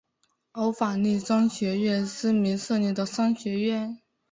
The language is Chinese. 欧法利商学院之名设立的商学院。